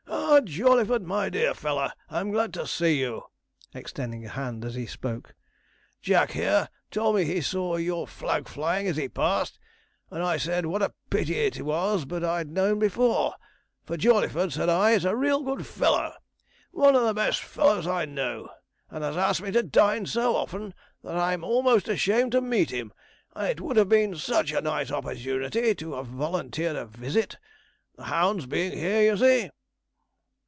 'Ah, Jawleyford, my dear fellow, I'm delighted to see you,' extending a hand as he spoke. 'Jack, here, told me that he saw your flag flying as he passed, and I said what a pity it was but I'd known before; for Jawleyford, said I, is a real good fellow, one of the best fellows I know, and has asked me to dine so often that I'm almost ashamed to meet him; and it would have been such a nice opportunity to have volunteered a visit, the hounds being here, you see.'